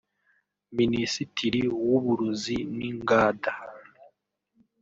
Minisitri w’Uburuzi n’Ingada